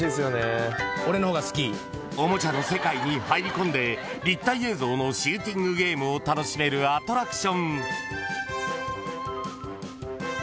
［おもちゃの世界に入り込んで立体映像のシューティングゲームを楽しめるアトラクション］